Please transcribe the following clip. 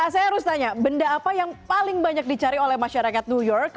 saya harus tanya benda apa yang paling banyak dicari oleh masyarakat new york